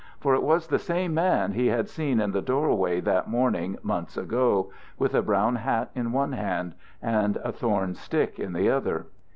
For it was the same man he had seen in the doorway that morning months ago, with a brown hat in one hand and a thorn stick in the other.